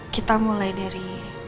kita mulai dari